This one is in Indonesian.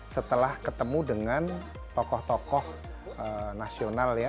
setelah ketemu dengan tokoh tokoh nasional ya